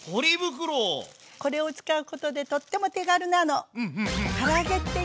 これを使うことでとっても手軽なの。